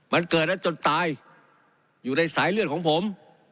มันเกิดแล้วจนตายอยู่ในสายเลือดของผม